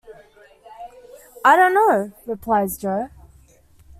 "I don't know," replies Jo.